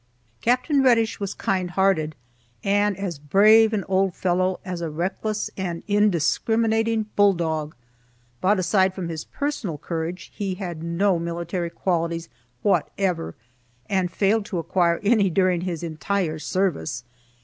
Capt. Reddish was kind hearted, and as brave an old fellow as a reckless and indiscriminating bull dog, but, aside from his personal courage, he had no military qualities whatever, and failed to acquire any during his entire service.